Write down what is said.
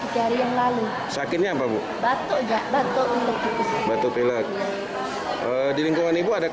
jadi dibawa kasiankan kalau itu kan batuk